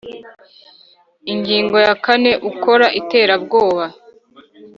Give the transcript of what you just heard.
Ingingo ya kane Ukora iterabwoba